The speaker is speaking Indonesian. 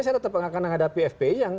saya tetap akan menghadapi fpi yang